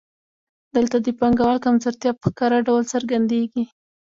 دلته د پانګوال کمزورتیا په ښکاره ډول څرګندېږي